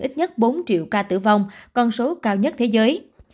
ít nhất bốn triệu ca tử vong con số cao nhất thế giới